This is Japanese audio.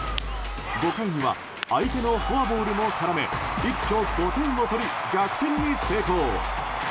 ５回には相手のフォアボールも絡め一挙５点を取り逆転に成功。